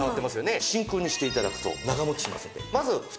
真空にして頂くと長持ちしますので。